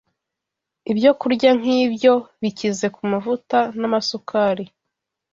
Ibyo kurya nk’ibyo bikize ku mavuta n’amasukari